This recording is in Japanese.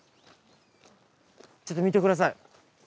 ちょっと見てください。